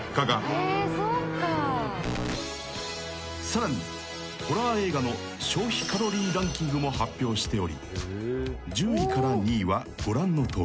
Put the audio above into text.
［さらにホラー映画の消費カロリーランキングも発表しており１０位から２位はご覧のとおり］